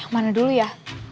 yang mana dulu ya